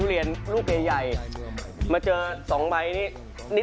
ร้อนร้อนใจมีไหมใคร